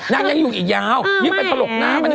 นางยังอยู่อีกยาวนี่เป็นถลกน้ำ